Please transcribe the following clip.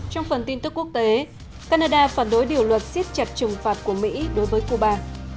trong phần tin tức quốc tế canada phản đối điều luật siết chặt trừng phạt của mỹ đối với cuba